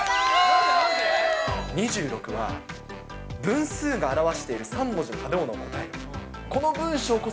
２６は、分数が表している３文字の食べ物を答えよ。